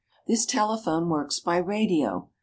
This telephone works by radio.